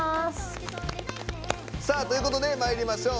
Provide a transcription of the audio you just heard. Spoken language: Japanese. ということで、まいりましょう。